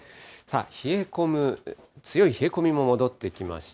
冷え込む、強い冷え込みも戻ってきました。